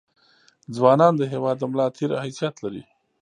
ځونان دهیواد دملا دتیر حیثت لري